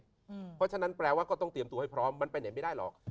เพราะฉะนั้นแปลว่าก็ต้องเตรียมตัวให้พร้อมมันไปไหนไม่ได้หรอก